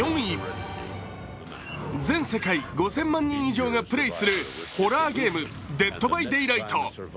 全世界５０００万人以上がプレーするホラーゲーム「デッドバイデイライト」